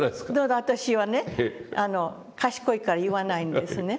だから私はね賢いから言わないんですね。